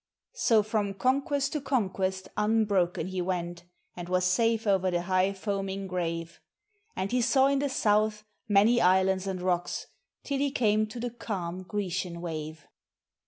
So from conquest to conquest unbroken he went, and was safe o'er the high, foaming grave; And he saw in the south many islands and rocks, till he came to the calm Grecian wave.